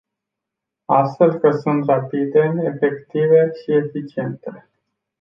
Astfel că sunt rapide, efective și eficiente.